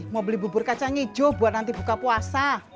mau beli bubur kacang hijau buat nanti buka puasa